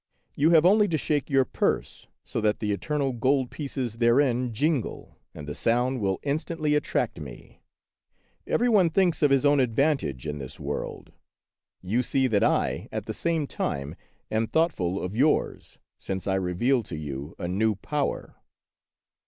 You have only to shake your purse, so that the eternal gold pieces therein jingle, and the sound will instantly attract me. Every one thinks of his own advantage in this world. You see that I at the same time am thoughtful of yours, since I reveal to you a new power.